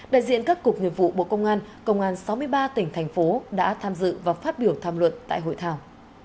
đại diện các cục nghiệp vụ bộ công an công an sáu mươi ba tỉnh thành phố đã tham dự và phát biểu tham luận tại hội thảo